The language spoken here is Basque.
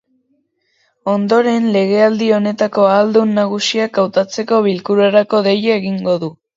Ondoren, legealdi honetako ahaldun nagusiak hautatzeko bilkurarako deia egingo du.